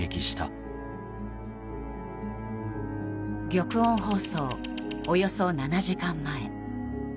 玉音放送およそ７時間前。